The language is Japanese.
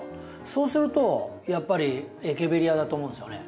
そうするとやっぱりエケベリアだと思うんですよね。